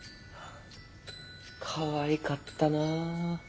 かわいかったなぁ。